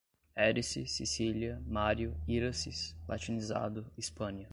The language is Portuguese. Érice, Sicília, Mário, Híraces, latinizado, Hispânia